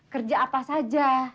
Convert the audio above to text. kerja apa saja